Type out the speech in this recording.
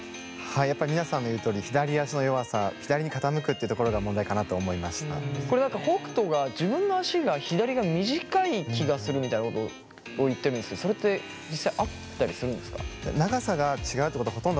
やっぱり皆さんの言うとおりこれ何か北斗が自分の足が左が短い気がするみたいなことを言ってるんですけどそれって実際あったりするんですか？